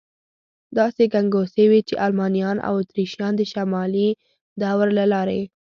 داسې ګنګوسې وې، چې المانیان او اتریشیان د شمالي درو له لارې.